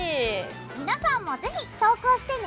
皆さんもぜひ投稿してね！